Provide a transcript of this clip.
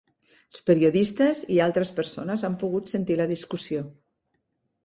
Els periodistes i altres persones han pogut sentir la discussió.